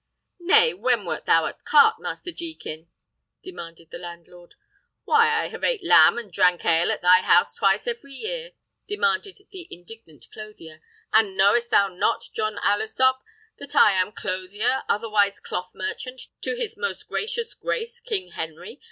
"Nay, when wert thou at court, Master Jekin?" demanded the landlord. "Why, have I ate lamb and drank ale at thy house twice every year," demanded the indignant clothier, "and knowest thou not, John Alesop, that I am clothier, otherwise cloth merchant, to his most Gracious Grace King Henry?